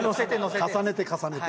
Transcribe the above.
重ねて重ねて。